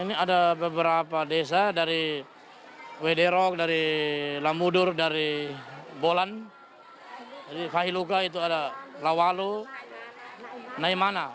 ini ada beberapa desa dari wederok dari lamudur dari bolan dari fahiluga itu ada lawalu naimana